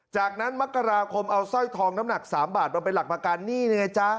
จากนั้นมักราคมเอาสร้อยทองน้ำหนักสามบาทเอาไปหลักประการนี่นี่ไงจ้า